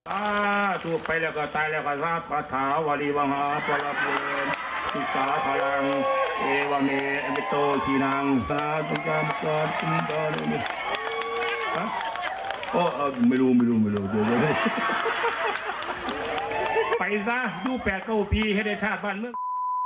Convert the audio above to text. อ่าถูกไปแล้วก็ตายแล้วก็ทราบประถาวรีวังฮาประลับเมืองศูนย์สาธารังเอวะเมย์แอบริโตทีนางสาธารักษาบังกันอ่าไม่รู้ไม่รู้ไปซะดูแปดเก้าพีให้ได้ชาติบ้านเมือง